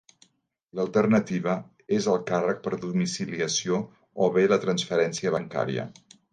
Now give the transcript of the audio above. L'alternativa és el càrrec per domiciliació o bé la transferència bancària.